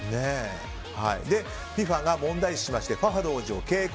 ＦＩＦＡが問題視しましてファハド王子を警告。